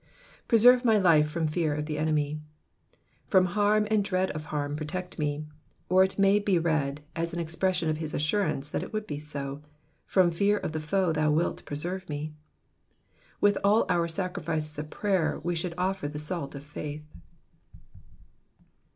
^^ Preserve my life from fear of the enemy. P From harm and dread of harm protect me ; or it may be read as an expression of his assurance that it would be so ;from fear of the foe thou wilt preserve me." With all our sacrifices of prayer we should offer the salt of faith.